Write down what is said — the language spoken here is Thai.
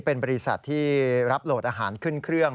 เป็นบริษัทที่รับโหลดอาหารขึ้นเครื่อง